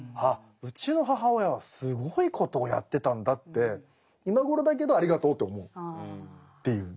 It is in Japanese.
うちの母親はすごいことをやってたんだって今頃だけどありがとうと思うっていう。